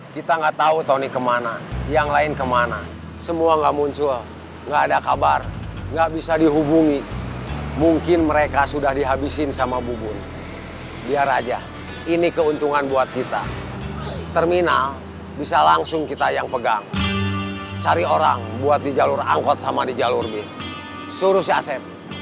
kita nggak tau tony kemana yang lain kemana semua nggak muncul nggak ada kabar nggak bisa dihubungi mungkin mereka sudah dihabisin sama bubun biar aja ini keuntungan buat kita terminal bisa langsung kita yang pegang cari orang buat di jalur angkot sama di jalur bis suruh si asep